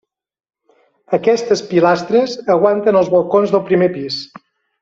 Aquestes pilastres aguanten els balcons del primer pis.